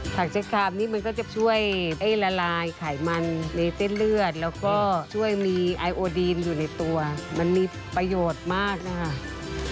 ใช้คามนี่มันก็จะช่วยได้ละลายไขมันในเส้นเลือดแล้วก็ช่วยมีไอโอดีนอยู่ในตัวมันมีประโยชน์มากนะคะ